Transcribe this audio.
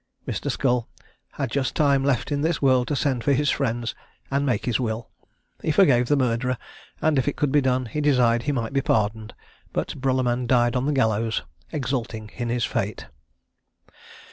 Mr. Scull had just time left in this world to send for his friends, and make his will. He forgave his murderer, and if it could be done, desired he might be pardoned; but Bruluman died on the gallows, exulting in his fate.